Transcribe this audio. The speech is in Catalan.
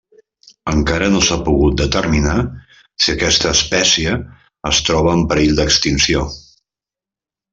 Encara no s'ha pogut determinar si aquesta espècie es troba en perill d'extinció.